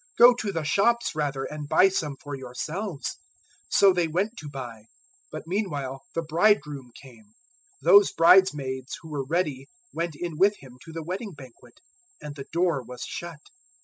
Go to the shops rather, and buy some for yourselves.' 025:010 "So they went to buy. But meanwhile the bridegroom came; those bridesmaids who were ready went in with him to the wedding banquet; and the door was shut.